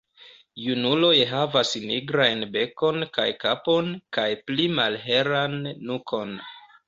Junuloj havas nigrajn bekon kaj kapon kaj pli malhelan nukon.